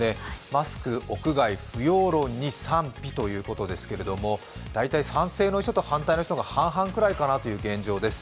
マスク屋外不要論に賛否ということですけど大体、賛成の人と反対の人が半々くらいかなという現状です。